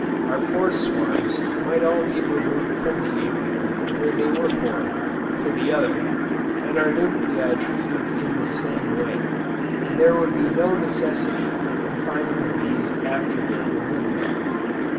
Our forced swarms might all be removed from the Apiary where they were formed, to the other, and our nuclei treated in the same way, and there would be no necessity for confining the bees after their removal.